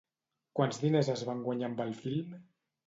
Quants diners es van guanyar amb el film?